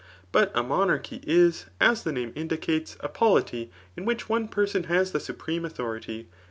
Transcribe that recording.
But a monarchy is, as the name indicates, a polity in which one person has the supreme authority.